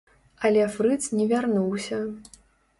Але фрыц не вярнуўся.